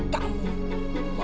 pecunda saya bayar kamu